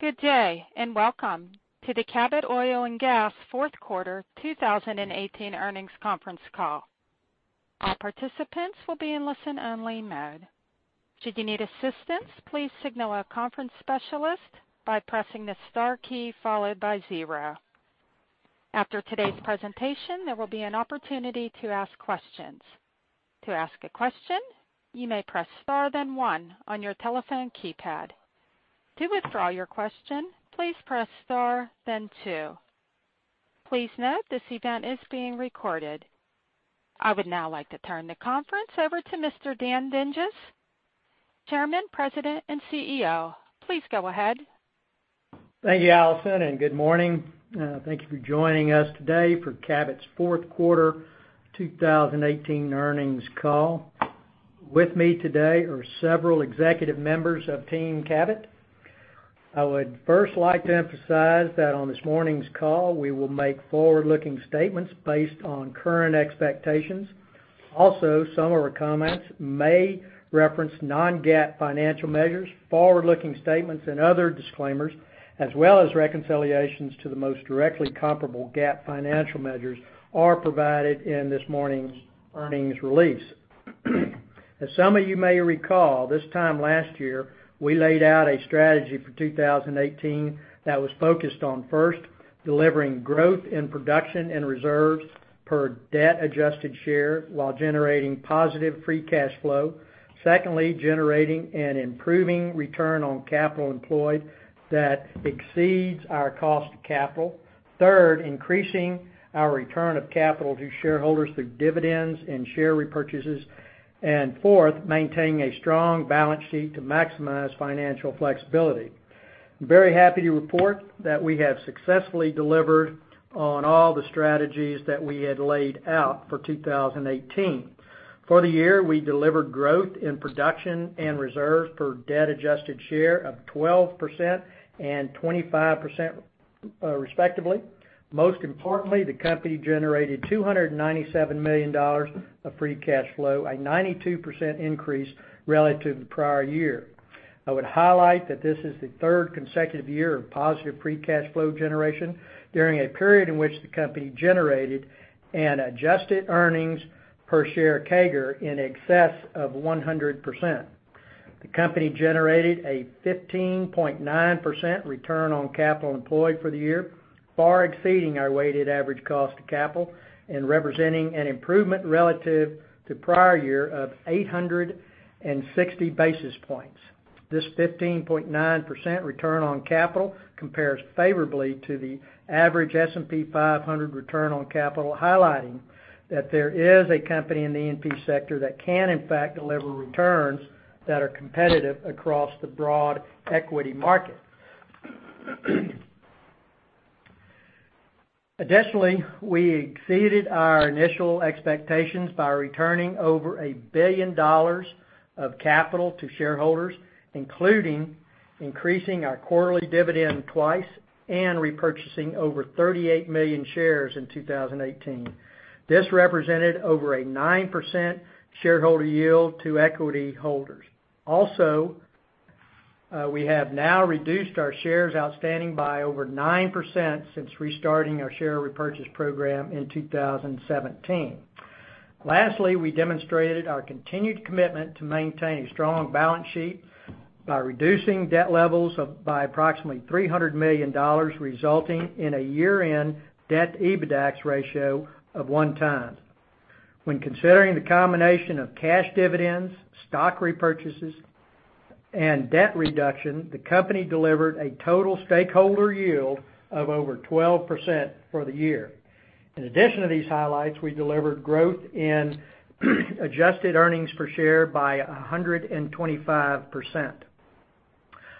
Good day, welcome to the Cabot Oil & Gas Fourth Quarter 2018 Earnings Conference Call. All participants will be in listen-only mode. Should you need assistance, please signal a conference specialist by pressing the star key followed by zero. After today's presentation, there will be an opportunity to ask questions. To ask a question, you may press star then one on your telephone keypad. To withdraw your question, please press star then two. Please note this event is being recorded. I would now like to turn the conference over to Mr. Dan Dinges, Chairman, President, and CEO. Please go ahead. Thank you, Allison. Good morning. Thank you for joining us today for Cabot's fourth quarter 2018 earnings call. With me today are several executive members of Team Cabot. I would first like to emphasize that on this morning's call, we will make forward-looking statements based on current expectations. Also, some of our comments may reference non-GAAP financial measures, forward-looking statements and other disclaimers, as well as reconciliations to the most directly comparable GAAP financial measures are provided in this morning's earnings release. As some of you may recall, this time last year, we laid out a strategy for 2018 that was focused on, first, delivering growth in production and reserves per debt adjusted share while generating positive free cash flow. Secondly, generating an improving return on capital employed that exceeds our cost of capital. Third, increasing our return of capital to shareholders through dividends and share repurchases. Fourth, maintaining a strong balance sheet to maximize financial flexibility. I'm very happy to report that we have successfully delivered on all the strategies that we had laid out for 2018. For the year, we delivered growth in production and reserves for debt adjusted share of 12% and 25%, respectively. Most importantly, the company generated $297 million of free cash flow, a 92% increase relative to the prior year. I would highlight that this is the third consecutive year of positive free cash flow generation during a period in which the company generated an adjusted earnings per share CAGR in excess of 100%. The company generated a 15.9% return on capital employed for the year, far exceeding our weighted average cost of capital and representing an improvement relative to prior year of 860 basis points. This 15.9% return on capital compares favorably to the average S&P 500 return on capital, highlighting that there is a company in the E&P sector that can, in fact, deliver returns that are competitive across the broad equity market. Additionally, we exceeded our initial expectations by returning over $1 billion of capital to shareholders, including increasing our quarterly dividend twice and repurchasing over 38 million shares in 2018. This represented over a 9% shareholder yield to equity holders. Also, we have now reduced our shares outstanding by over 9% since restarting our share repurchase program in 2017. Lastly, we demonstrated our continued commitment to maintain a strong balance sheet by reducing debt levels by approximately $300 million, resulting in a year-end debt-EBITDAX ratio of one time. When considering the combination of cash dividends, stock repurchases, and debt reduction, the company delivered a total stakeholder yield of over 12% for the year. In addition to these highlights, we delivered growth in adjusted earnings per share by 125%.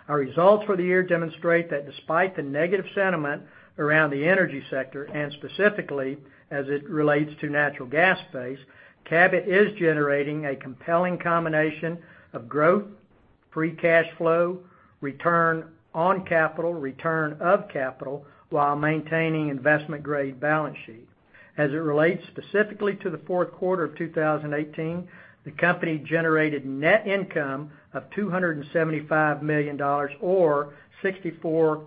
Our results for the year demonstrate that despite the negative sentiment around the energy sector, and specifically as it relates to natural gas base, Cabot is generating a compelling combination of growth, free cash flow, return on capital, return of capital, while maintaining investment-grade balance sheet. As it relates specifically to the fourth quarter of 2018, the company generated net income of $275 million, or $0.64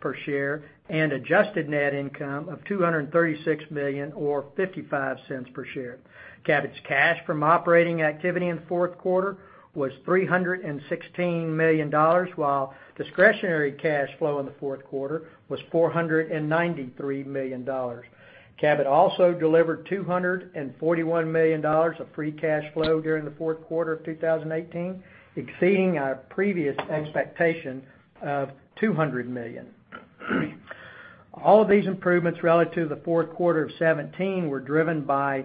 per share, and adjusted net income of $236 million or $0.55 per share. Cabot's cash from operating activity in the fourth quarter was $316 million, while discretionary cash flow in the fourth quarter was $493 million. Cabot also delivered $241 million of free cash flow during the fourth quarter of 2018, exceeding our previous expectation of $200 million. All of these improvements relative to the fourth quarter of 2017 were driven by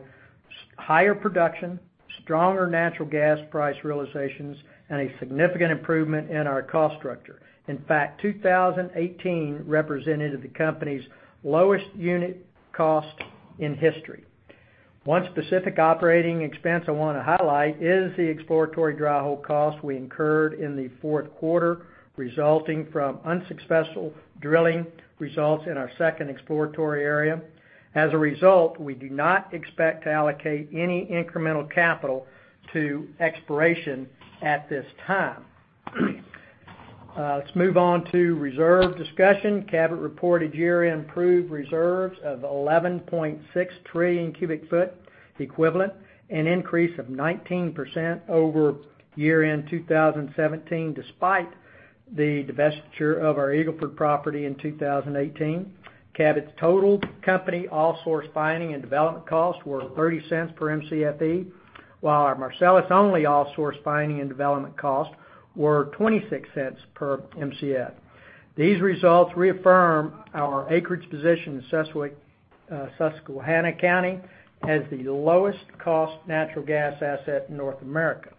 higher production, stronger natural gas price realizations, and a significant improvement in our cost structure. In fact, 2018 represented the company's lowest unit cost in history. One specific operating expense I want to highlight is the exploratory dry hole cost we incurred in the fourth quarter, resulting from unsuccessful drilling results in our second exploratory area. As a result, we do not expect to allocate any incremental capital to exploration at this time. Let's move on to reserve discussion. Cabot reported year-end proved reserves of 11.6 trillion cubic foot equivalent, an increase of 19% over year-end 2017, despite the divestiture of our Eagle Ford property in 2018. Cabot's total company all-source finding and development costs were $0.30 per Mcfe, while our Marcellus only all source finding and development costs were $0.26 per Mcfe. These results reaffirm our acreage position in Susquehanna County as the lowest cost natural gas asset in North America.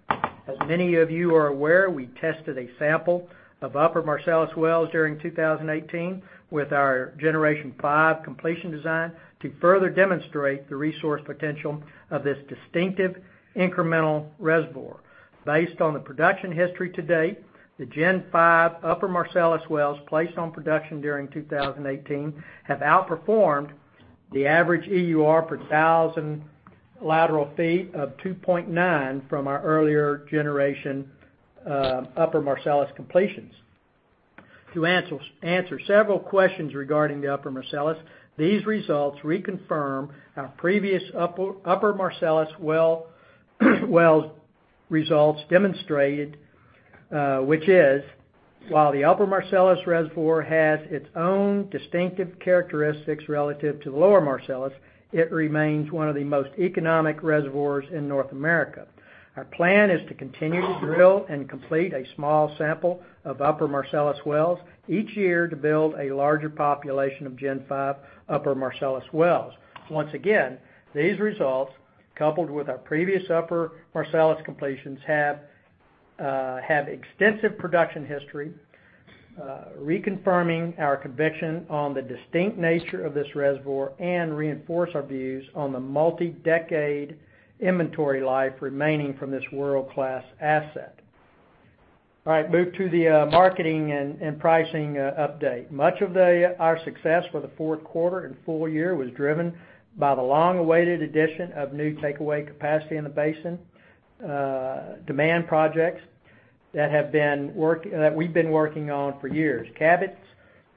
As many of you are aware, we tested a sample of Upper Marcellus wells during 2018 with our Generation 5 completion design to further demonstrate the resource potential of this distinctive incremental reservoir. Based on the production history to date, the Gen 5 Upper Marcellus wells placed on production during 2018 have outperformed the average EUR per 1,000 lateral feet of 2.9 from our earlier generation Upper Marcellus completions. To answer several questions regarding the Upper Marcellus, these results reconfirm our previous Upper Marcellus well's results demonstrated, which is, while the Upper Marcellus reservoir has its own distinctive characteristics relative to the Lower Marcellus, it remains one of the most economic reservoirs in North America. Our plan is to continue to drill and complete a small sample of Upper Marcellus wells each year to build a larger population of Gen 5 Upper Marcellus wells. Once again, these results, coupled with our previous Upper Marcellus completions, have extensive production history, reconfirming our conviction on the distinct nature of this reservoir and reinforce our views on the multi-decade inventory life remaining from this world-class asset. All right, move to the marketing and pricing update. Much of our success for the fourth quarter and full year was driven by the long-awaited addition of new takeaway capacity in the basin, demand projects that we've been working on for years.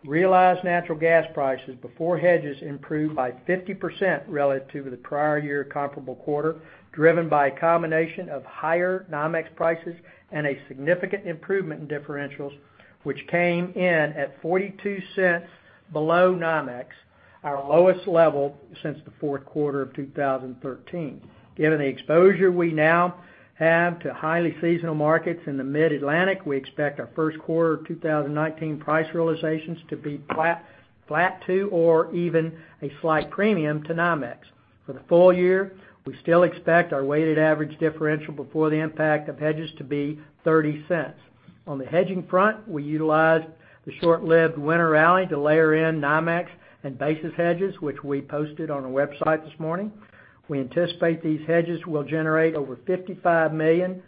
Cabot's realized natural gas prices before hedges improved by 50% relative to the prior year comparable quarter, driven by a combination of higher NYMEX prices and a significant improvement in differentials, which came in at $0.42 below NYMEX, our lowest level since the fourth quarter of 2013. Given the exposure we now have to highly seasonal markets in the mid-Atlantic, we expect our first quarter 2019 price realizations to be flat to, or even a slight premium to NYMEX. For the full year, we still expect our weighted average differential before the impact of hedges to be $0.30. On the hedging front, we utilized the short-lived winter rally to layer in NYMEX and basis hedges, which we posted on our website this morning. We anticipate these hedges will generate over $55 million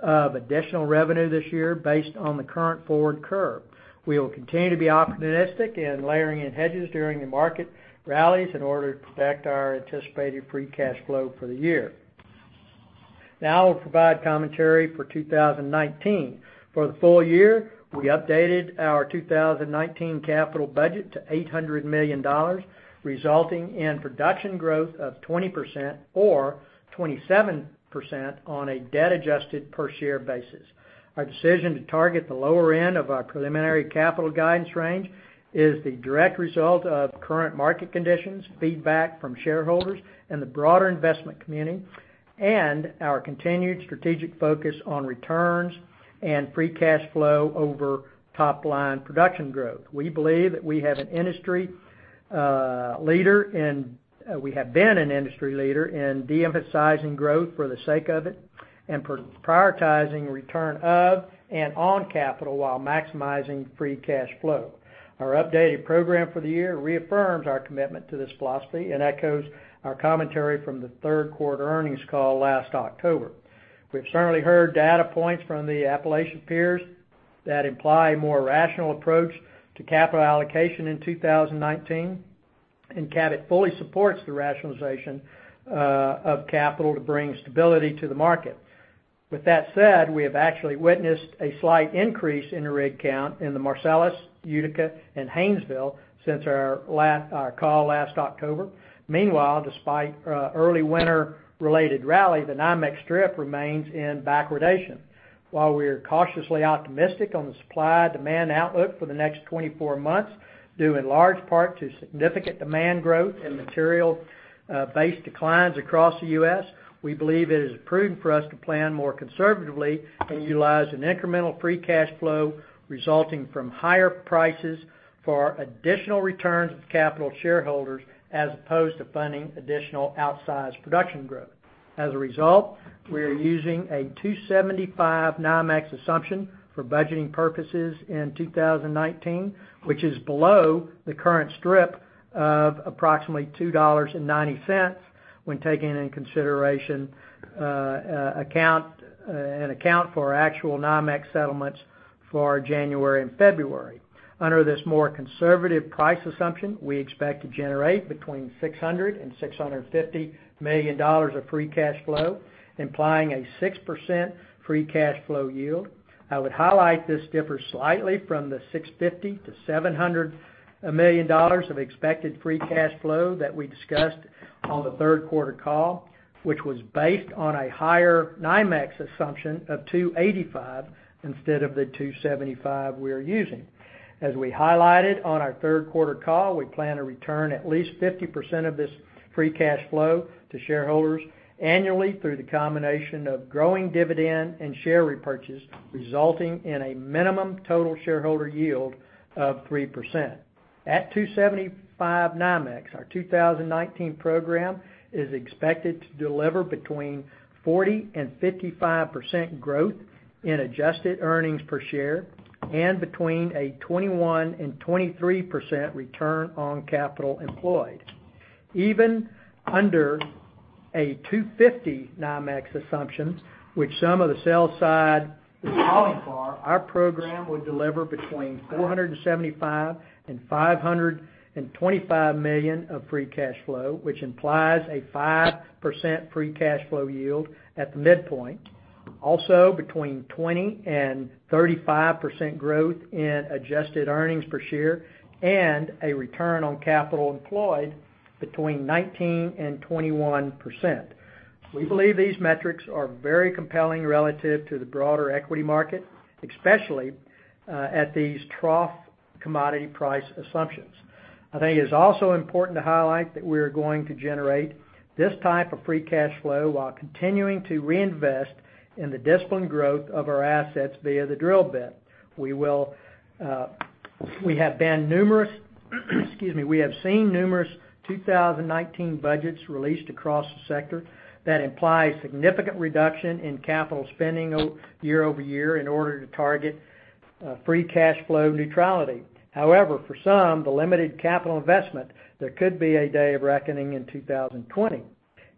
of additional revenue this year based on the current forward curve. We will continue to be opportunistic in layering in hedges during the market rallies in order to protect our anticipated free cash flow for the year. Now we will provide commentary for 2019. For the full year, we updated our 2019 capital budget to $800 million, resulting in production growth of 20% or 27% on a debt-adjusted per share basis. Our decision to target the lower end of our preliminary capital guidance range is the direct result of current market conditions, feedback from shareholders and the broader investment community, and our continued strategic focus on returns and free cash flow over top line production growth. We believe that we have been an industry leader in de-emphasizing growth for the sake of it and prioritizing return of and on capital while maximizing free cash flow. Our updated program for the year reaffirms our commitment to this philosophy and echoes our commentary from the third quarter earnings call last October. With that said, we have actually witnessed a slight increase in the rig count in the Marcellus, Utica and Haynesville since our call last October. Meanwhile, despite early winter related rally, the NYMEX strip remains in backwardation. While we are cautiously optimistic on the supply-demand outlook for the next 24 months, due in large part to significant demand growth and material base declines across the U.S., we believe it is prudent for us to plan more conservatively and utilize an incremental free cash flow resulting from higher prices for additional returns of capital to shareholders as opposed to funding additional outsized production growth. As a result, we are using a $2.75 NYMEX assumption for budgeting purposes in 2019, which is below the current strip of approximately $2.90 when taking into consideration and account for our actual NYMEX settlements for January and February. Under this more conservative price assumption, we expect to generate between $600 million-$650 million of free cash flow, implying a 6% free cash flow yield. I would highlight this differs slightly from the $650 million-$700 million of expected free cash flow that we discussed on the third quarter call, which was based on a higher NYMEX assumption of $285 instead of the $275 we are using. As we highlighted on our third quarter call, we plan to return at least 50% of this free cash flow to shareholders annually through the combination of growing dividend and share repurchase, resulting in a minimum total shareholder yield of 3%. At $275 NYMEX, our 2019 program is expected to deliver between 40% and 55% growth in adjusted earnings per share and between a 21% and 23% return on capital employed. Between $250 NYMEX assumption, which some of the sell side is calling for, our program would deliver between $475 million and $525 million of free cash flow, which implies a 5% free cash flow yield at the midpoint. Between 20% and 35% growth in adjusted earnings per share and a return on capital employed between 19% and 21%. We believe these metrics are very compelling relative to the broader equity market, especially at these trough commodity price assumptions. I think it's also important to highlight that we are going to generate this type of free cash flow while continuing to reinvest in the disciplined growth of our assets via the drill bit. We have seen numerous 2019 budgets released across the sector that imply significant reduction in capital spending year-over-year in order to target free cash flow neutrality. For some, the limited capital investment, there could be a day of reckoning in 2020.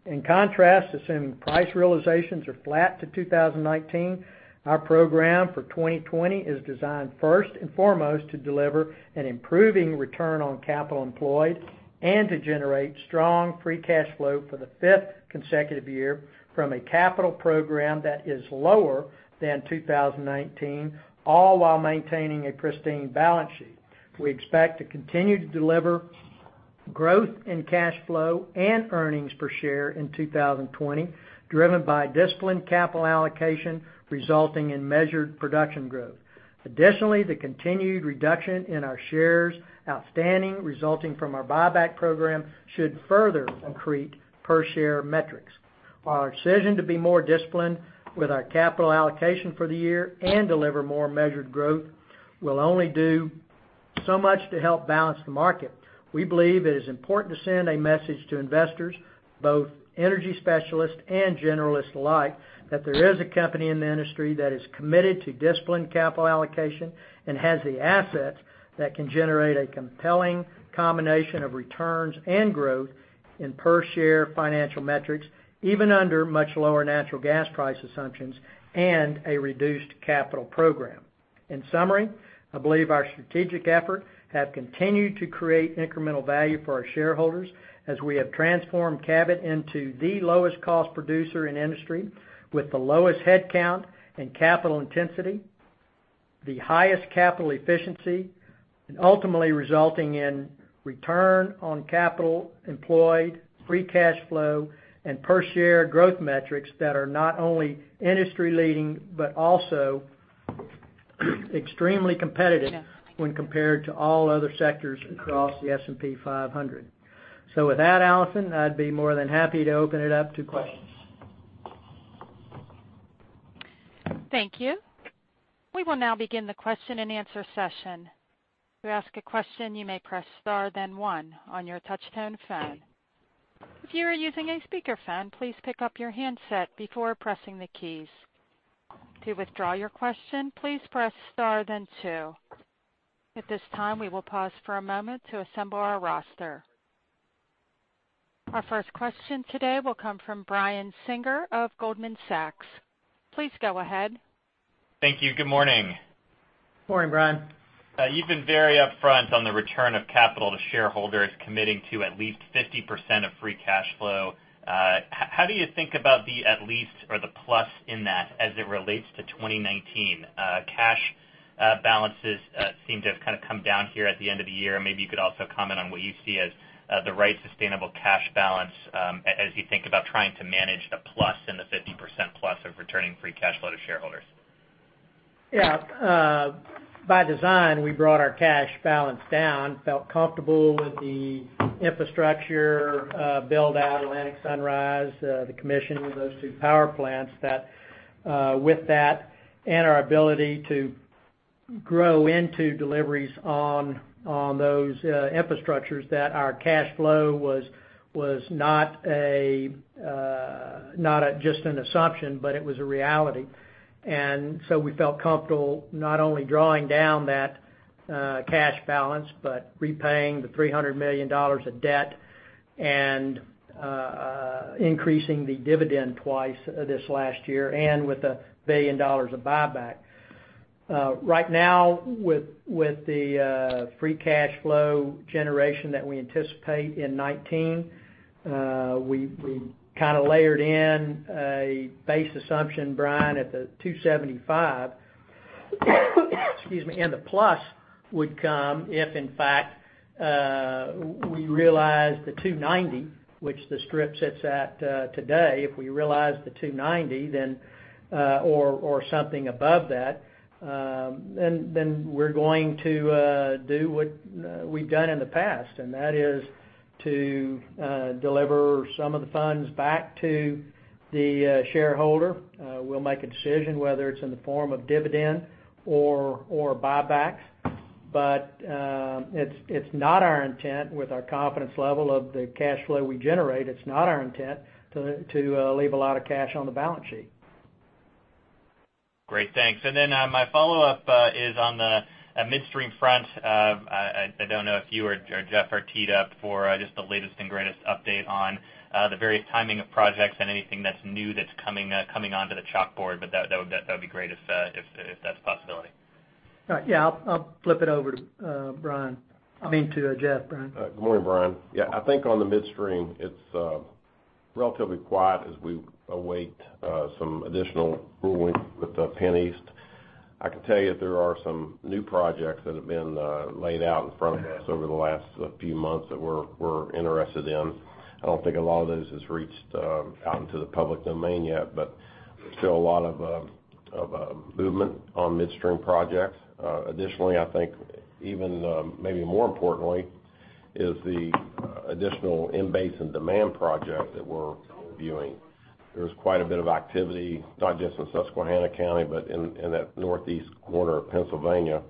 In contrast, assuming price realizations are flat to 2019, our program for 2020 is designed first and foremost to deliver an improving return on capital employed and to generate strong free cash flow for the fifth consecutive year from a capital program that is lower than 2019, all while maintaining a pristine balance sheet. We expect to continue to deliver growth in cash flow and earnings per share in 2020, driven by disciplined capital allocation resulting in measured production growth. Additionally, the continued reduction in our shares outstanding resulting from our buyback program should further accrete per-share metrics. Our decision to be more disciplined with our capital allocation for the year and deliver more measured growth will only do so much to help balance the market. We believe it is important to send a message to investors, both energy specialists and generalists alike, that there is a company in the industry that is committed to disciplined capital allocation and has the assets that can generate a compelling combination of returns and growth in per-share financial metrics, even under much lower natural gas price assumptions and a reduced capital program. In summary, I believe our strategic efforts have continued to create incremental value for our shareholders as we have transformed Cabot into the lowest cost producer in the industry, with the lowest headcount and capital intensity, the highest capital efficiency, and ultimately resulting in return on capital employed, free cash flow, and per share growth metrics that are not only industry leading, but also extremely competitive when compared to all other sectors across the S&P 500. With that, Allison, I'd be more than happy to open it up to questions. Thank you. We will now begin the question and answer session. To ask a question you may press star then one on your touchtone phone. If you are using a speakerphone, please pick up your handset before pressing the keys. To withdraw your question, please press star then two. At this time, we will pause for a moment to assemble our roster. Our first question today will come from Brian Singer of Goldman Sachs. Please go ahead. Thank you. Good morning. Morning, Brian. You've been very upfront on the return of capital to shareholders committing to at least 50% of free cash flow. How do you think about the at least or the plus in that as it relates to 2019? Cash balances seem to have kind of come down here at the end of the year. Maybe you could also comment on what you see as the right sustainable cash balance as you think about trying to manage the plus and the 50% plus of returning free cash flow to shareholders. Yeah. By design, we brought our cash balance down, felt comfortable with the infrastructure build at Atlantic Sunrise, the commissioning of those two power plants. With that and our ability to grow into deliveries on those infrastructures, our cash flow was not just an assumption, but it was a reality. So we felt comfortable not only drawing down that cash balance, but repaying the $300 million of debt and increasing the dividend twice this last year, and with a billion dollars of buyback. Right now, with the free cash flow generation that we anticipate in 2019, we layered in a base assumption, Brian, at the 275. Excuse me. The plus would come if, in fact, we realize the 290, which the strip sits at today. If we realize the 290 or something above that, we're going to do what we've done in the past, and that is to deliver some of the funds back to the shareholder. We'll make a decision whether it's in the form of dividend or buybacks. It's not our intent, with our confidence level of the cash flow we generate, it's not our intent to leave a lot of cash on the balance sheet. Great. Thanks. My follow-up is on the midstream front. I don't know if you or Jeff are teed up for just the latest and greatest update on the various timing of projects and anything that's new that's coming onto the chalkboard, but that would be great, if that's a possibility. Yeah. I'll flip it over to Jeff. Brian. Good morning, Brian. Yeah, I think on the midstream, it's relatively quiet as we await some additional ruling with PennEast. I can tell you that there are some new projects that have been laid out in front of us over the last few months that we're interested in. I don't think a lot of those has reached out into the public domain yet, but still a lot of movement on midstream projects. Additionally, I think even maybe more importantly is the additional in-basin demand project that we're viewing. There's quite a bit of activity, not just in Susquehanna County, but in that northeast corner of Pennsylvania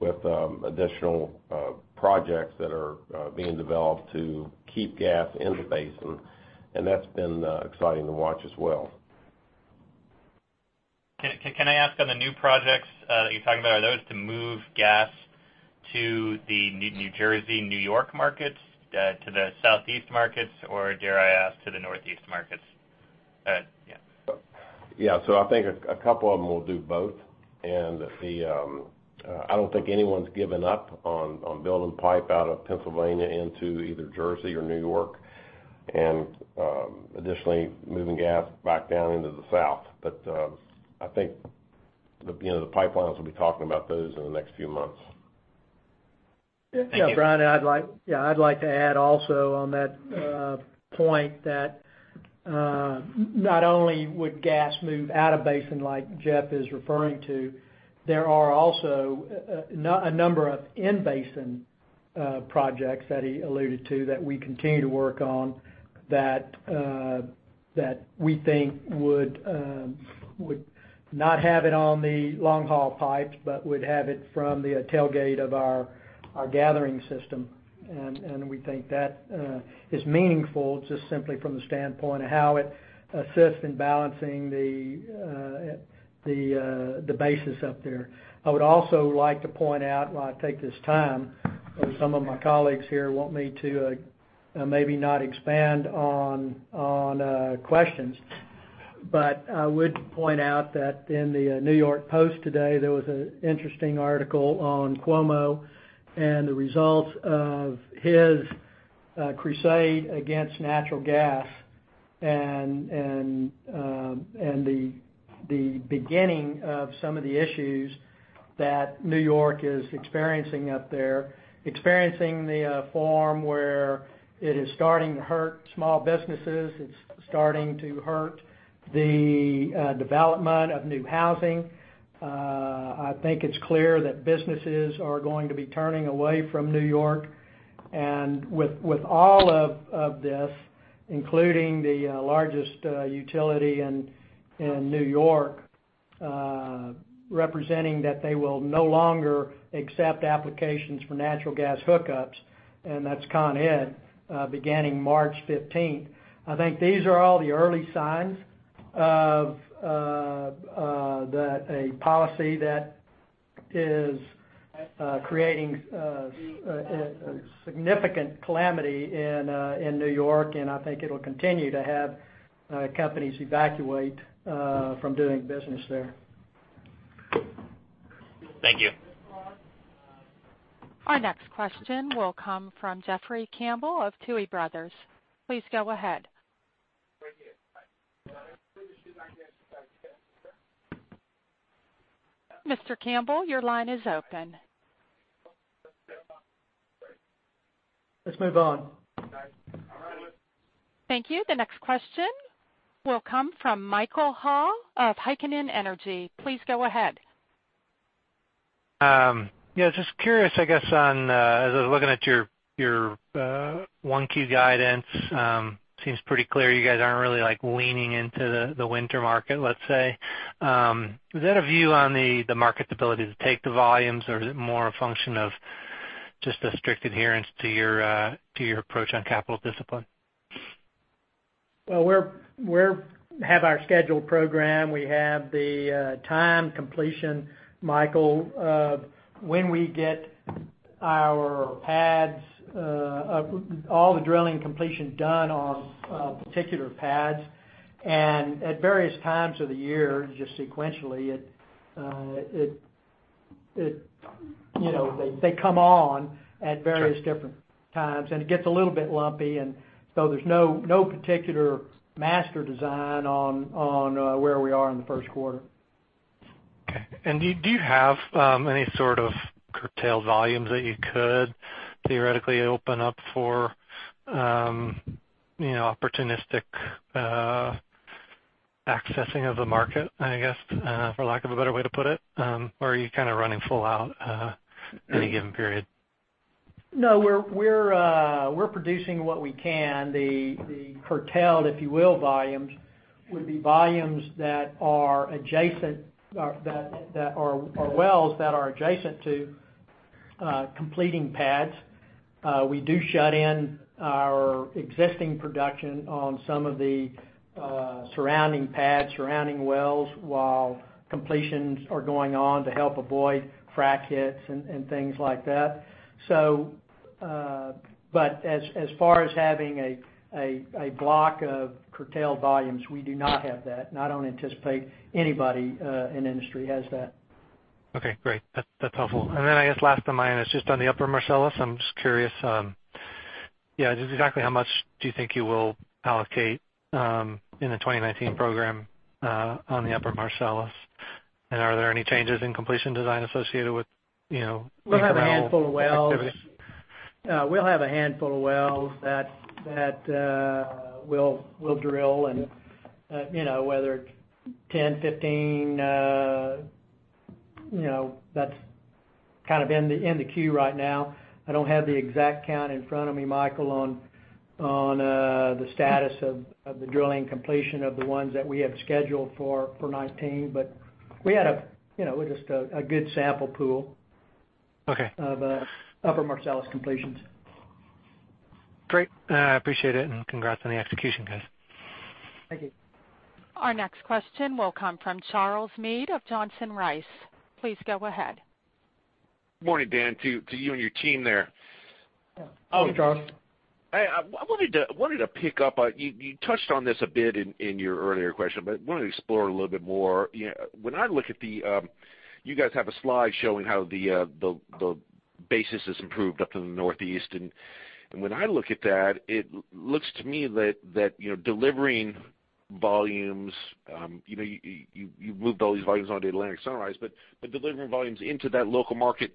with additional projects that are being developed to keep gas in the basin, and that's been exciting to watch as well. Can I ask on the new projects that you're talking about, are those to move gas to the New Jersey, New York markets, to the Southeast markets, or dare I ask, to the Northeast markets? Yeah. I think a couple of them will do both. I don't think anyone's given up on building pipe out of Pennsylvania into either Jersey or New York, additionally moving gas back down into the South. I think the pipelines will be talking about those in the next few months. Thank you. Yeah, Brian, I'd like to add also on that point that not only would gas move out of basin like Jeff is referring to, there are also a number of in-basin projects that he alluded to that we continue to work on that we think would not have it on the long-haul pipes, but would have it from the tailgate of our gathering system. We think that is meaningful just simply from the standpoint of how it assists in balancing the basis up there. I would also like to point out while I take this time, some of my colleagues here want me to maybe not expand on questions, but I would point out that in the New York Post today, there was an interesting article on Cuomo and the results of his crusade against natural gas, and the beginning of some of the issues that New York is experiencing up there. Experiencing the form where it is starting to hurt small businesses, it's starting to hurt the development of new housing. I think it's clear that businesses are going to be turning away from New York. With all of this, including the largest utility in New York representing that they will no longer accept applications for natural gas hookups, and that's Con Ed, beginning March 15th. I think these are all the early signs of a policy that is creating a significant calamity in New York, and I think it'll continue to have companies evacuate from doing business there. Thank you. Our next question will come from Jeffrey Campbell of Tuohy Brothers. Please go ahead. Mr. Campbell, your line is open. Let's move on. Thank you. The next question will come from Michael Hall of Heikkinen Energy. Please go ahead. Yeah. Just curious, I guess as I was looking at your 1Q guidance, seems pretty clear you guys aren't really leaning into the winter market, let's say. Is that a view on the market's ability to take the volumes, or is it more a function of just a strict adherence to your approach on capital discipline? Well, we have our scheduled program. We have the time completion, Michael, when we get our pads, all the drilling completion done on particular pads. At various times of the year, just sequentially, they come on at various different times, and it gets a little bit lumpy, and so there's no particular master design on where we are in the first quarter. Okay. Do you have any sort of curtailed volumes that you could theoretically open up for opportunistic accessing of the market, I guess, for lack of a better way to put it? Are you running full out any given period? No, we're producing what we can. The curtailed, if you will, volumes would be volumes that are wells that are adjacent to completing pads. We do shut in our existing production on some of the surrounding pads, surrounding wells, while completions are going on to help avoid frack hits and things like that. As far as having a block of curtailed volumes, we do not have that, and I don't anticipate anybody in the industry has that. Okay, great. That's helpful. Then I guess last of mine is just on the Upper Marcellus. I'm just curious. Just exactly how much do you think you will allocate in the 2019 program on the Upper Marcellus? Are there any changes in completion design associated with- We have a handful of wells. - activity? We'll have a handful of wells that we'll drill whether it's 10, 15, that's in the queue right now. I don't have the exact count in front of me, Michael, on the status of the drilling completion of the ones that we have scheduled for 2019, we had a good sample pool- Okay -of Upper Marcellus completions. Great. I appreciate it, and congrats on the execution, guys. Thank you. Our next question will come from Charles Meade of Johnson Rice. Please go ahead. Morning, Dan, to you and your team there. Hey, Charles. Hey, You touched on this a bit in your earlier question, but wanted to explore a little bit more. You guys have a slide showing how the basis has improved up in the Northeast, and when I look at that, it looks to me that delivering volumes, you moved all these volumes onto Atlantic Sunrise, but delivering volumes into that local market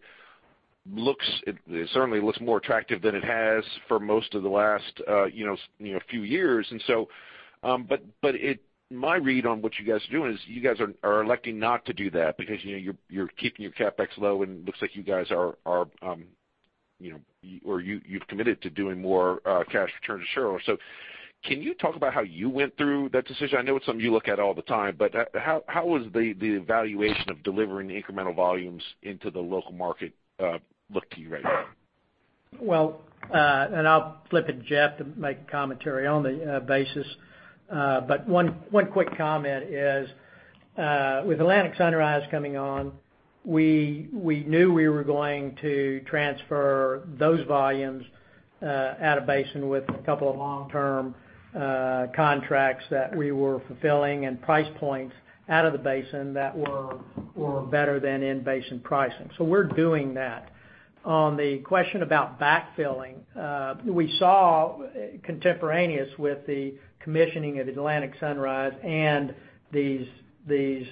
certainly looks more attractive than it has for most of the last few years. My read on what you guys are doing is you guys are electing not to do that because you're keeping your CapEx low and looks like you guys or you've committed to doing more cash return to shareholders. Can you talk about how you went through that decision? I know it's something you look at all the time, how was the evaluation of delivering the incremental volumes into the local market look to you right now? I'll flip it to Jeff to make a commentary on the basis. One quick comment is, with Atlantic Sunrise coming on, we knew we were going to transfer those volumes out of basin with a couple of long-term contracts that we were fulfilling and price points out of the basin that were better than in-basin pricing. We're doing that. On the question about backfilling, we saw contemporaneous with the commissioning of Atlantic Sunrise and these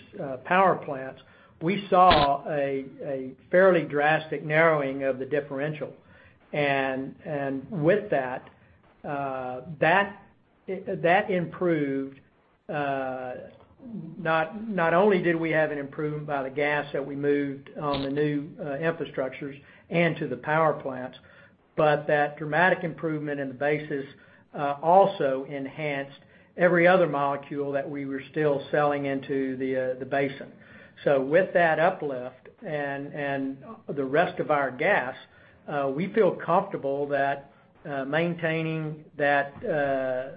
power plants, we saw a fairly drastic narrowing of the differential, and with that improved. Not only did we have an improvement by the gas that we moved on the new infrastructures and to the power plants, but that dramatic improvement in the basis also enhanced every other molecule that we were still selling into the basin. With that uplift and the rest of our gas, we feel comfortable that maintaining the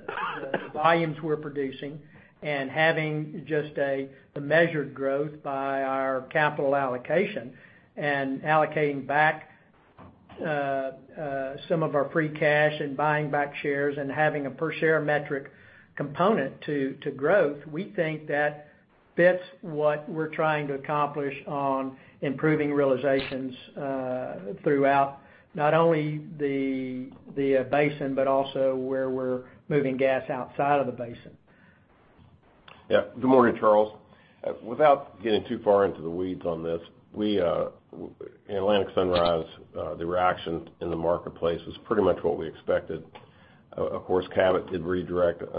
volumes we're producing and having just a measured growth by our capital allocation and allocating back some of our free cash and buying back shares and having a per share metric component to growth. We think that fits what we're trying to accomplish on improving realizations throughout not only the basin, but also where we're moving gas outside of the basin. Good morning, Charles. Without getting too far into the weeds on this, in Atlantic Sunrise, the reaction in the marketplace was pretty much what we expected. Of course, Cabot did redirect a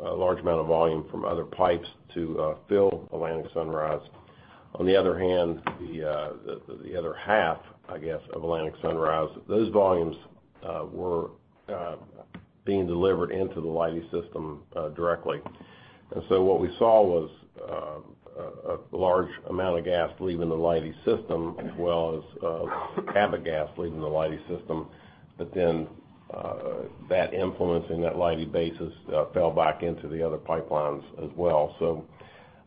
large amount of volume from other pipes to fill Atlantic Sunrise. On the other hand, the other half, I guess, of Atlantic Sunrise, those volumes were being delivered into the Leidy system directly. What we saw was a large amount of gas leaving the Leidy system as well as Cabot gas leaving the Leidy system. That influence in that Leidy basis fell back into the other pipelines as well.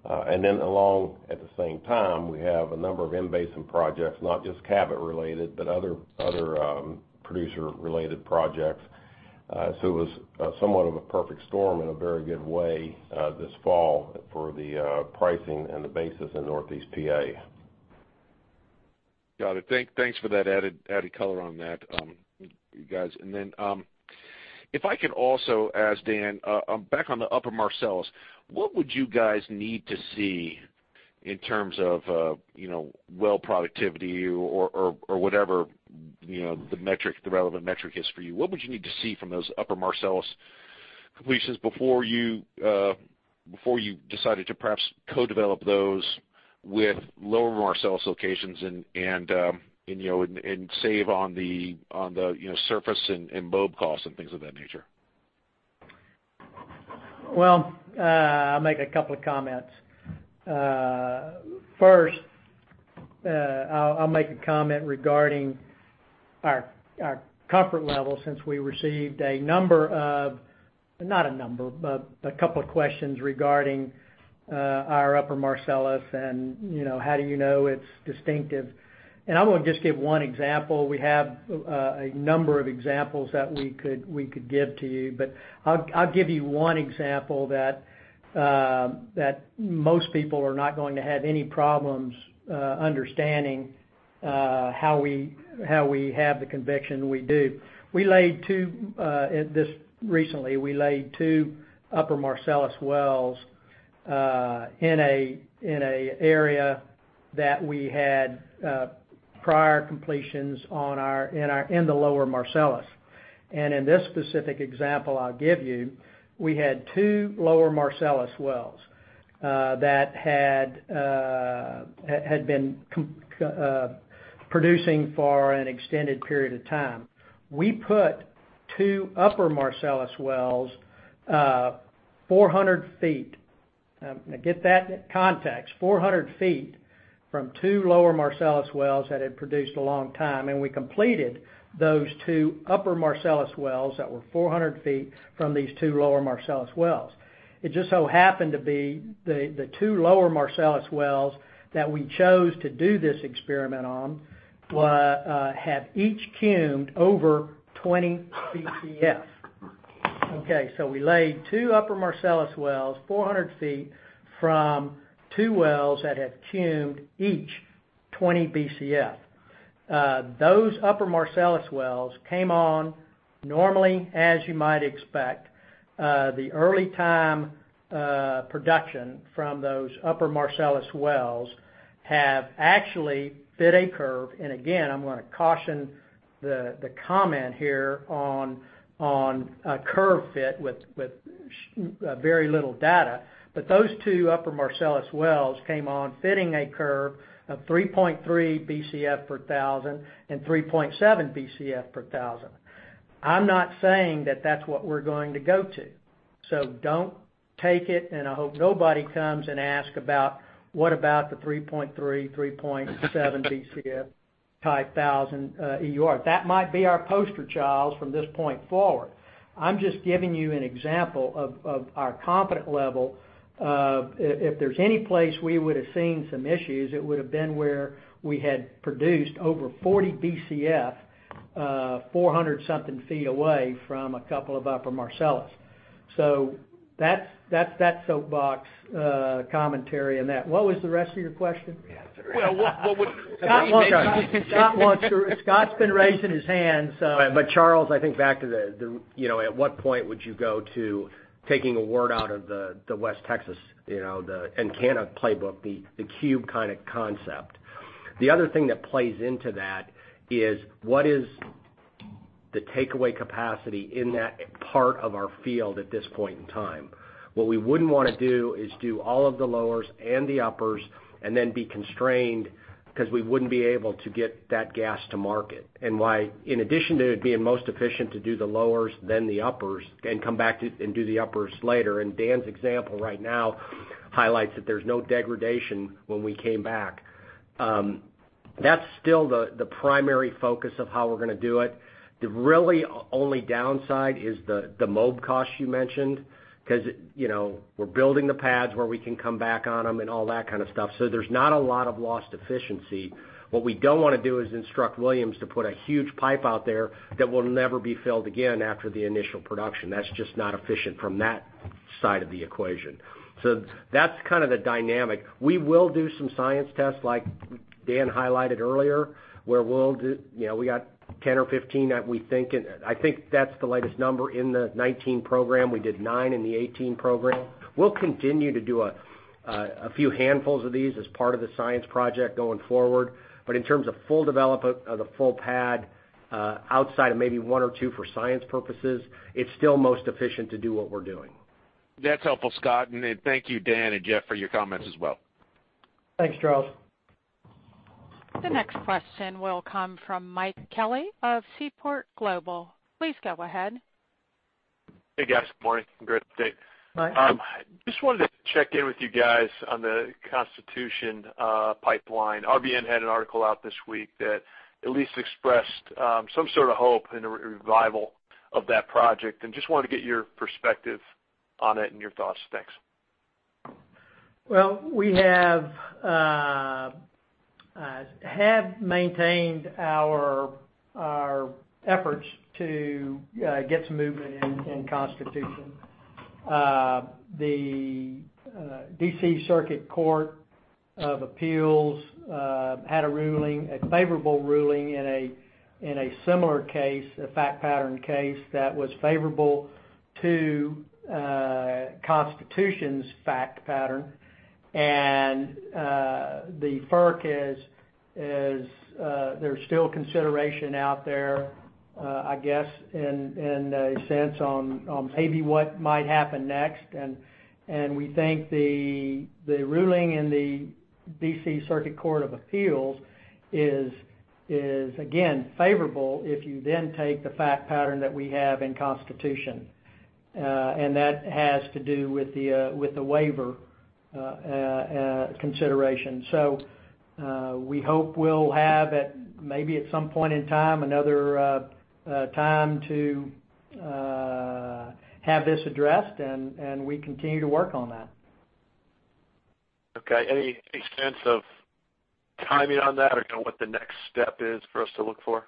Along, at the same time, we have a number of in-basin projects, not just Cabot related, but other producer-related projects. It was somewhat of a perfect storm in a very good way this fall for the pricing and the basis in Northeast PA. Got it. Thanks for that added color on that, you guys. If I can also ask Dan, back on the Upper Marcellus, what would you guys need to see in terms of well productivity or whatever the relevant metric is for you? What would you need to see from those Upper Marcellus completions before you decided to perhaps co-develop those with Lower Marcellus locations and save on the surface and mob costs and things of that nature? Well, I'll make a couple of comments. First, I'll make a comment regarding our comfort level since we received a couple of questions regarding our Upper Marcellus and how do you know it's distinctive. I'm going to just give one example. We have a number of examples that we could give to you, but I'll give you one example that most people are not going to have any problems understanding how we have the conviction we do. Recently, we laid two Upper Marcellus wells in an area that we had prior completions in the Lower Marcellus. In this specific example I'll give you, we had two Lower Marcellus wells that had been producing for an extended period of time. We put two Upper Marcellus wells 400 feet. Get that context, 400 feet from two Lower Marcellus wells that had produced a long time. We completed those two Upper Marcellus wells that were 400 feet from these two Lower Marcellus wells. It just so happened to be the two Lower Marcellus wells that we chose to do this experiment on have each cum'd over 20 Bcf. Okay, we laid two Upper Marcellus wells 400 feet from two wells that had cum'd each 20 Bcf. Those Upper Marcellus wells came on normally, as you might expect. The early time production from those Upper Marcellus wells have actually fit a curve. Again, I'm going to caution the comment here on a curve fit with very little data. Those two Upper Marcellus wells came on fitting a curve of 3.3 Bcf per thousand and 3.7 Bcf per thousand. I'm not saying that that's what we're going to go to. Don't take it, and I hope nobody comes and ask about what about the 3.3.7 Bcf type thousand EUR? That might be our poster child from this point forward. I'm just giving you an example of our confident level. If there's any place we would've seen some issues, it would've been where we had produced over 40 Bcf 400 something feet away from a couple of Upper Marcellus. That's soapbox commentary in that. What was the rest of your question? Well, what would- Scott wants to Scott's been raising his hand, so. Charles, I think back to the at what point would you go to taking a word out of the West Texas, the Encana playbook, the cube kind of concept. The other thing that plays into that is what is the takeaway capacity in that part of our field at this point in time? What we wouldn't want to do is do all of the lowers and the uppers and then be constrained because we wouldn't be able to get that gas to market. Why, in addition to it being most efficient to do the lowers than the uppers and come back and do the uppers later, and Dan's example right now highlights that there's no degradation when we came back. That's still the primary focus of how we're going to do it. The really only downside is the mob cost you mentioned, because we're building the pads where we can come back on them and all that kind of stuff. There's not a lot of lost efficiency. What we don't want to do is instruct Williams to put a huge pipe out there that will never be filled again after the initial production. That's just not efficient from that side of the equation. That's the dynamic. We will do some science tests like Dan highlighted earlier, where we got 10 or 15 that we think I think that's the latest number in the 2019 program. We did nine in the 2018 program. We'll continue to do a few handfuls of these as part of the science project going forward. In terms of full development of the full pad outside of maybe one or two for science purposes, it's still most efficient to do what we're doing. That's helpful, Scott. Thank you Dan and Jeff for your comments as well. Thanks, Charles. The next question will come from Mike Kelly of Seaport Global. Please go ahead. Hey, guys. Good morning. Great update. Mike. Just wanted to check in with you guys on the Constitution Pipeline. RBN had an article out this week that at least expressed some sort of hope in a revival of that project. Just wanted to get your perspective on it and your thoughts. Thanks. Well, we have maintained our efforts to get some movement in Constitution. The D.C. Circuit Court of Appeals had a favorable ruling in a similar case, a fact pattern case, that was favorable to Constitution's fact pattern. The FERC, there's still consideration out there, I guess, in a sense on maybe what might happen next. We think the ruling in the D.C. Circuit Court of Appeals is, again, favorable if you then take the fact pattern that we have in Constitution. That has to do with the waiver consideration. We hope we'll have at maybe at some point in time, another time to have this addressed, and we continue to work on that. Okay. Any sense of timing on that or what the next step is for us to look for?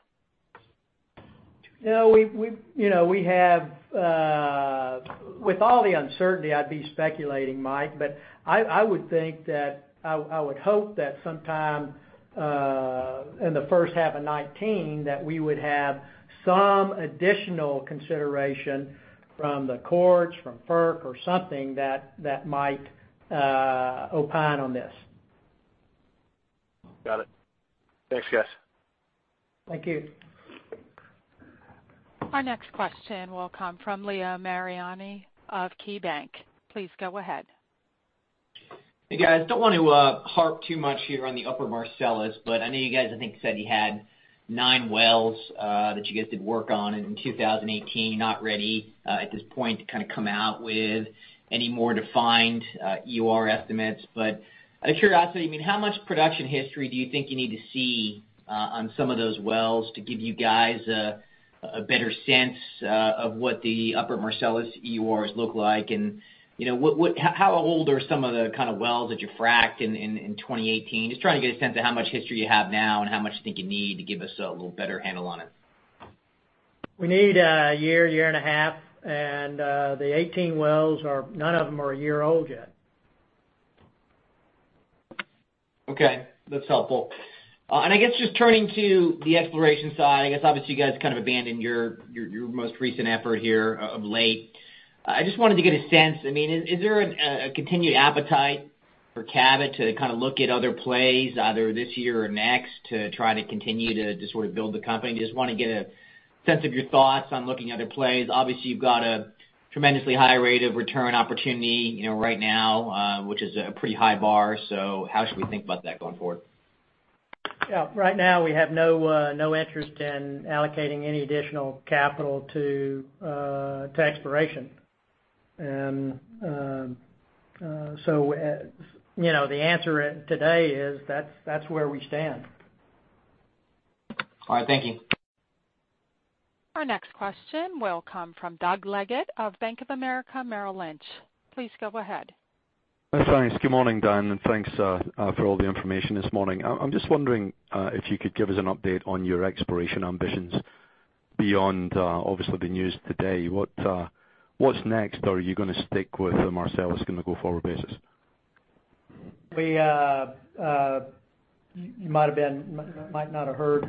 With all the uncertainty, I'd be speculating, Mike, but I would hope that sometime in the first half of 2019, that we would have some additional consideration from the courts, from FERC or something that might opine on this. Got it. Thanks, guys. Thank you. Our next question will come from Leo Mariani of KeyBank. Please go ahead. Hey, guys. Don't want to harp too much here on the Upper Marcellus, I know you guys, I think, said you had nine wells that you guys did work on in 2018. Not ready at this point to come out with any more defined EUR estimates. Out of curiosity, how much production history do you think you need to see on some of those wells to give you guys a better sense of what the Upper Marcellus EURs look like? How old are some of the kind of wells that you fracked in 2018? Just trying to get a sense of how much history you have now and how much you think you need to give us a little better handle on it. We need a year and a half. The 2018 wells, none of them are a year old yet. Okay, that's helpful. I guess just turning to the exploration side, I guess obviously you guys abandoned your most recent effort here of late. I just wanted to get a sense, is there a continued appetite for Cabot to look at other plays, either this year or next, to try to continue to just sort of build the company? Just want to get a sense of your thoughts on looking at other plays. Obviously, you've got a tremendously high rate of return opportunity right now, which is a pretty high bar. How should we think about that going forward? Yeah. Right now, we have no interest in allocating any additional capital to exploration. The answer today is that's where we stand. All right. Thank you. Our next question will come from Doug Leggate of Bank of America Merrill Lynch. Please go ahead. Thanks. Good morning, Dan, and thanks for all the information this morning. I'm just wondering if you could give us an update on your exploration ambitions beyond obviously the news today. What's next? Are you going to stick with Marcellus on a go-forward basis? You might not have heard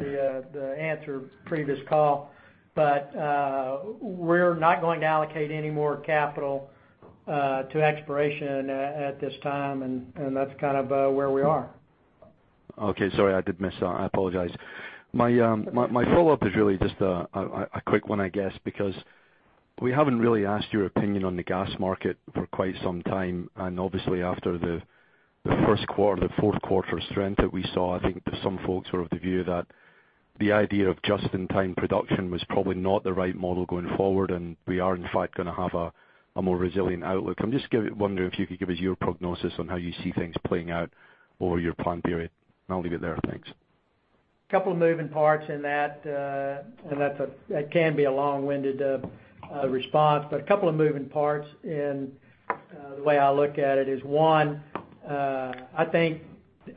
the answer previous call, we're not going to allocate any more capital to exploration at this time, and that's kind of where we are. Okay. Sorry, I did miss that. I apologize. My follow-up is really just a quick one, I guess, because we haven't really asked your opinion on the gas market for quite some time, and obviously after the fourth quarter strength that we saw, I think that some folks were of the view that the idea of just-in-time production was probably not the right model going forward, and we are in fact going to have a more resilient outlook. I'm just wondering if you could give us your prognosis on how you see things playing out over your plan period. I'll leave it there. Thanks. Couple of moving parts in that can be a long-winded response. A couple of moving parts in the way I look at it is, one, I think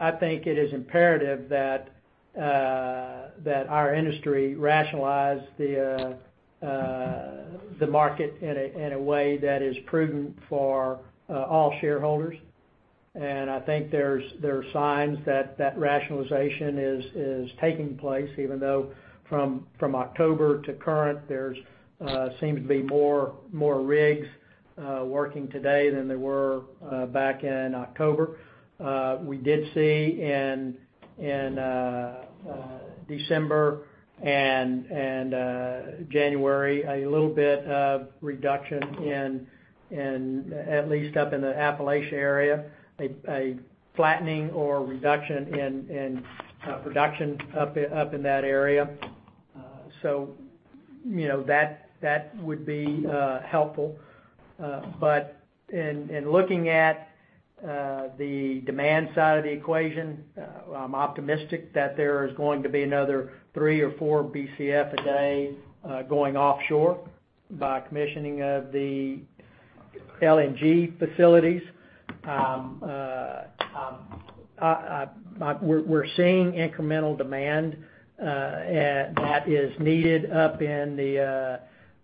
it is imperative that our industry rationalize the market in a way that is prudent for all shareholders. I think there are signs that that rationalization is taking place, even though from October to current, there seems to be more rigs working today than there were back in October. We did see in December and January a little bit of reduction in, at least up in the Appalachia area, a flattening or reduction in production up in that area. That would be helpful. In looking at the demand side of the equation, I'm optimistic that there is going to be another 3 or 4 BCF a day going offshore by commissioning of the LNG facilities. We're seeing incremental demand that is needed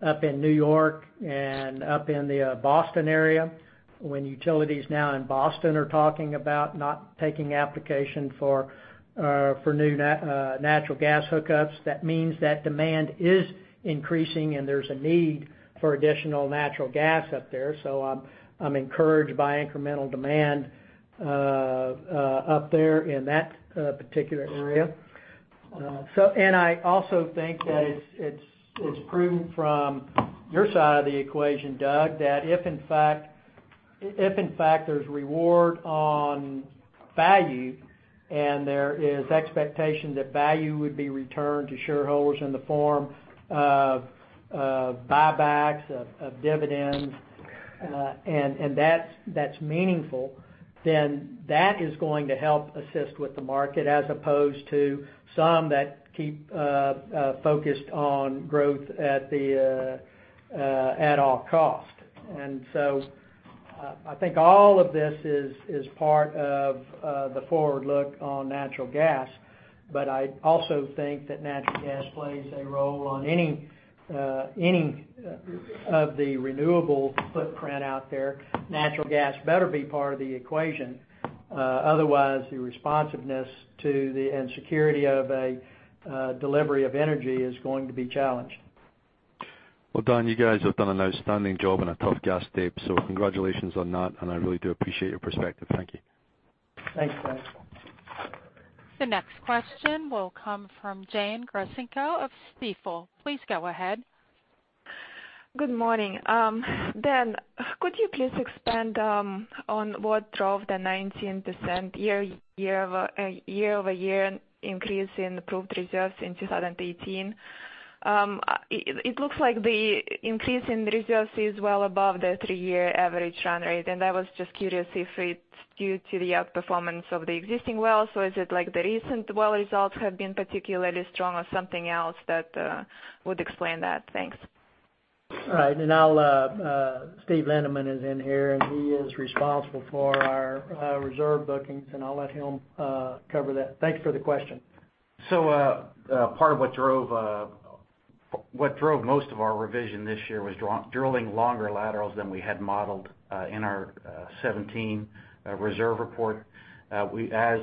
up in New York and up in the Boston area, when utilities now in Boston are talking about not taking application for new natural gas hookups. That means that demand is increasing, and there's a need for additional natural gas up there. I'm encouraged by incremental demand up there in that particular area. I also think that it's proven from your side of the equation, Doug, that if in fact, there's reward on value and there is expectation that value would be returned to shareholders in the form of buybacks, of dividends, and that's meaningful, then that is going to help assist with the market as opposed to some that keep focused on growth at all cost. I think all of this is part of the forward look on natural gas. I also think that natural gas plays a role on any of the renewable footprint out there. Natural gas better be part of the equation. Otherwise, the responsiveness to the, and security of a delivery of energy is going to be challenged. Well, Dan, you guys have done an outstanding job on a tough gas tape, congratulations on that, I really do appreciate your perspective. Thank you. Thanks. The next question will come from Jane Trotsenko of Stifel. Please go ahead. Good morning. Dan, could you please expand on what drove the 19% year-over-year increase in approved reserves in 2018? It looks like the increase in reserves is well above the three-year average run rate, I was just curious if it's due to the outperformance of the existing wells, or is it like the recent well results have been particularly strong or something else that would explain that? Thanks. All right. Steven Lindeman is in here, he is responsible for our reserve bookings, I'll let him cover that. Thank you for the question. Part of what drove most of our revision this year was drilling longer laterals than we had modeled in our 2017 reserve report. As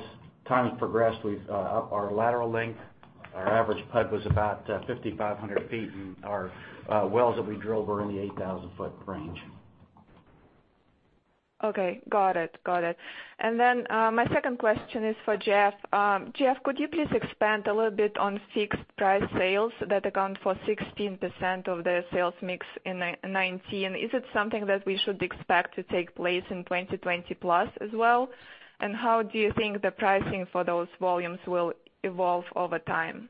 time has progressed, our lateral length, our average PUD was about 5,500 feet, and our wells that we drilled were in the 8,000-foot range. Okay. Got it. My second question is for Jeff. Jeff, could you please expand a little bit on fixed price sales that account for 16% of the sales mix in 2019? Is it something that we should expect to take place in 2020 plus as well? How do you think the pricing for those volumes will evolve over time?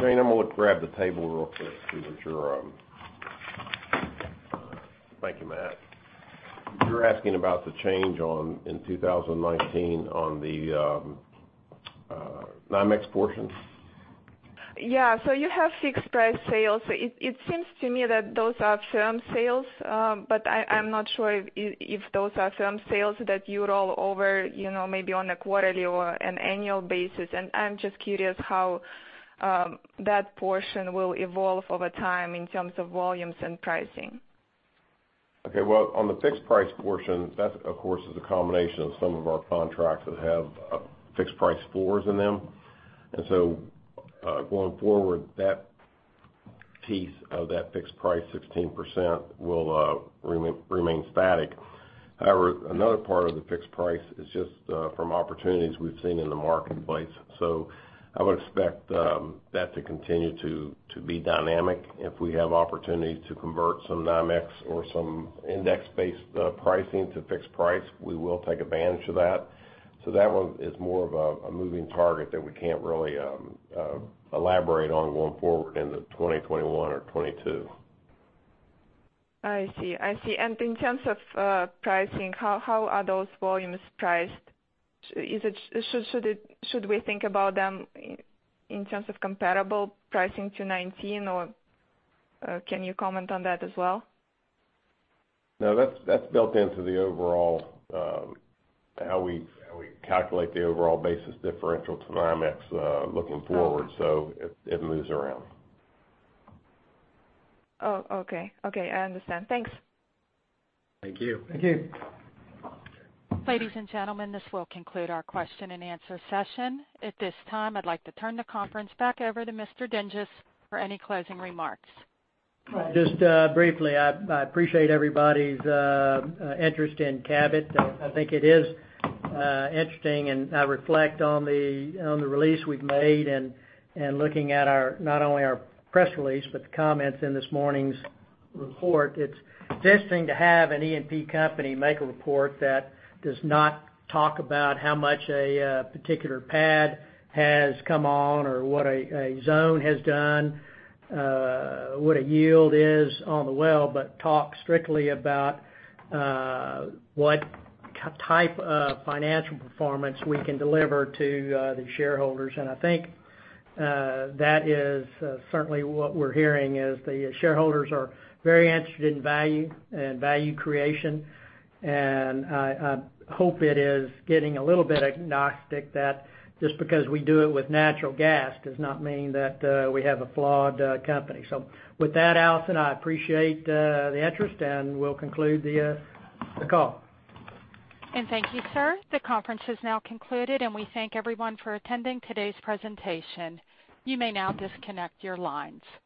Jane, I'm going to grab the table real quick to make sure. Thank you, Matt. You're asking about the change in 2019 on the NYMEX portions? Yeah. You have fixed price sales. It seems to me that those are firm sales, but I'm not sure if those are firm sales that you roll over maybe on a quarterly or an annual basis. I'm just curious how that portion will evolve over time in terms of volumes and pricing. Well, on the fixed price portion, that of course, is a combination of some of our contracts that have fixed price floors in them. Going forward, that piece of that fixed price, 16%, will remain static. However, another part of the fixed price is just from opportunities we've seen in the marketplace. I would expect that to continue to be dynamic. If we have opportunities to convert some NYMEX or some index-based pricing to fixed price, we will take advantage of that. That one is more of a moving target that we can't really elaborate on going forward into 2021 or 2022. I see. In terms of pricing, how are those volumes priced? Should we think about them in terms of comparable pricing to 2019, or can you comment on that as well? No, that's built into how we calculate the overall basis differential to NYMEX looking forward. It moves around. Okay. I understand. Thanks. Thank you. Thank you. Ladies and gentlemen, this will conclude our question-and-answer session. At this time, I'd like to turn the conference back over to Mr. Dinges for any closing remarks. Just briefly, I appreciate everybody's interest in Cabot. I think it is interesting, and I reflect on the release we've made and looking at not only our press release, but the comments in this morning's report. It's interesting to have an E&P company make a report that does not talk about how much a particular pad has come on or what a zone has done, what a yield is on the well, but talk strictly about what type of financial performance we can deliver to the shareholders. I think that is certainly what we're hearing, is the shareholders are very interested in value and value creation. I hope it is getting a little bit agnostic that just because we do it with natural gas does not mean that we have a flawed company. With that, Allison, I appreciate the interest, and we'll conclude the call. Thank you, sir. The conference has now concluded, and we thank everyone for attending today's presentation. You may now disconnect your lines.